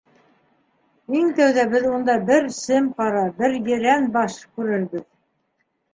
Иң тәүҙә беҙ унда бер сем ҡара, бер ерән баш күрербеҙ.